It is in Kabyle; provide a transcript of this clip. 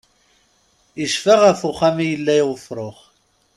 Icfa ɣef uxxam i yella ufrux.